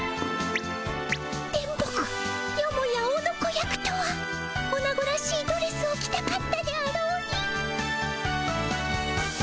電ボ子よもやオノコ役とはオナゴらしいドレスを着たかったであろうに。